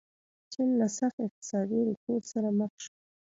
چین له سخت اقتصادي رکود سره مخ شو.